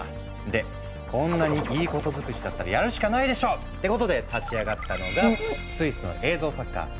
でこんなにいいこと尽くしだったらやるしかないでしょってことで立ち上がったのがスイスの映像作家